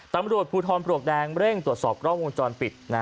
ตำรวจภูทรปลวกแดงเร่งตรวจสอบกล้องวงจรปิด